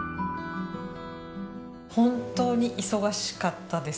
本当に忙しかったです。